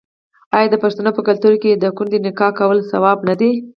آیا د پښتنو په کلتور کې د کونډې نکاح کول ثواب نه دی؟